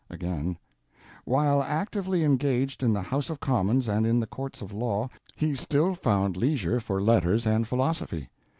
Again: While actively engaged in the House of Commons and in the courts of law, he still found leisure for letters and philosophy.